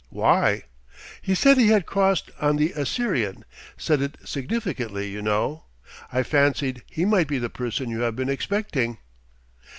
"Why?" "He said he had crossed on the Assyrian, said it significantly, you know. I fancied he might be the person you have been expecting."